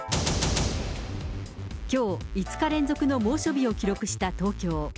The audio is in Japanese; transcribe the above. きょう、５日連続の猛暑日を記録した東京。